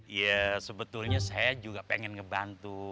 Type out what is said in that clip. ya sebetulnya saya juga pengen ngebantu